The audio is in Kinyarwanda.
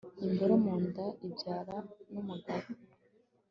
imboro mu nda ibyara n'umugabo